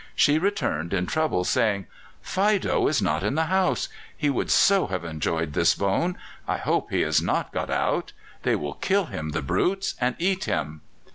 She returned in trouble, saying: "Fido is not in the house; he would so have enjoyed this bone. I hope he has not got out. They will kill him the brutes! and eat him."